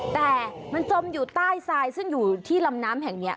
แต่มันจมอยู่ใต้ทรายซึ่งอยู่ที่ลำน้ำแห่งนี้